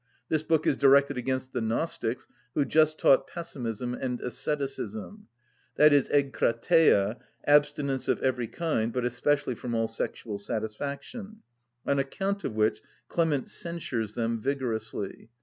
This book is directed against the Gnostics, who just taught pessimism and asceticism, that is, εγκρατεια (abstinence of every kind, but especially from all sexual satisfaction); on account of which Clement censures them vigorously.